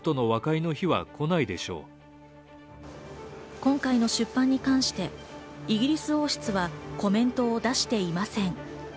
今回の出版に関してイギリス王室はコメントを出していません。